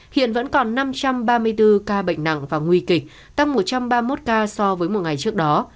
hiện vẫn còn năm trăm ba mươi bốn ca bệnh nặng và nguy kịch tăng một trăm ba mươi một ca so với một ngày trước đó